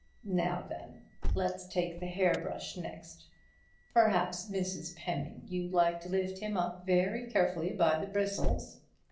Now then, let's take the hairbrush next. Perhaps, Mrs. Pemming, you'd like to lift him up very carefully by the bristles."